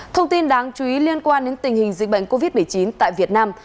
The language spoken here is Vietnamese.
thông tin đáng chú ý liên quan đến tình hình dịch bệnh covid một mươi chín tại việt nam